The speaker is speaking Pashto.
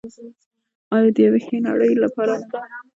آیا د یوې ښې نړۍ لپاره نه ده؟